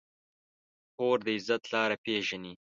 خور د عزت لاره پېژني.